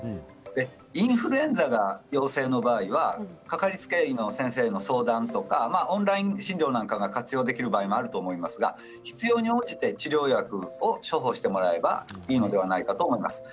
インフルエンザが陽性の場合は掛かりつけ医の先生に相談とかオンライン診療などが活用できる場合もあると思いますが必要に応じて治療薬を処方してもらえばいいのではないかと思います。